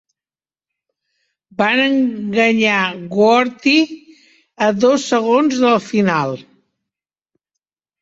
Van enganyar Worthy a dos segons del final.